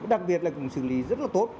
đặc biệt là cũng xử lý rất là tốt